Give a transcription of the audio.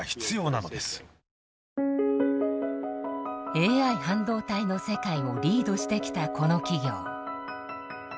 ＡＩ半導体の世界をリードしてきたこの企業。